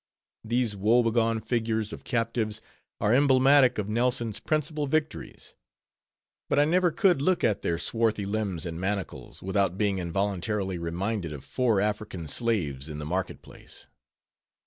These woe begone figures of captives are emblematic of Nelson's principal victories; but I never could look at their swarthy limbs and manacles, without being involuntarily reminded of four African slaves in the market place.